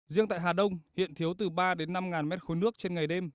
riêng tại hà đông hiện thiếu từ ba đến năm ngàn mét khối nước trên ngày đêm